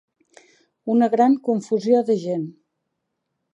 Una gran confusió de gent.